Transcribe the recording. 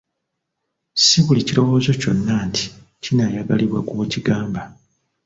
Si buli kirowoozo kyonna nti kinaayagalibwa gwokigamba.